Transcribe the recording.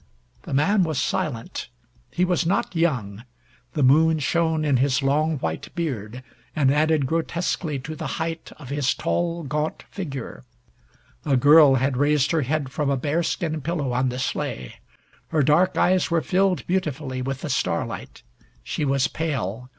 The man was silent. He was not young. The moon shone in his long white beard, and added grotesquely to the height of his tall gaunt figure. A girl had raised her head from a bearskin pillow on the sleigh. Her dark eyes were filled beautifully with the starlight. She was pale.